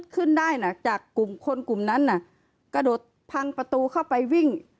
ขึ้นได้นะจากกลุ่มคนกลุ่มนั้นน่ะกระโดดพังประตูเข้าไปวิ่ง